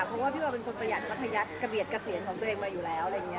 ไม่เปลี่ยนแกก็เพราะว่าเป็นคนประหยัดประทยักษ์ใจเกี่ยวเองตัวเอง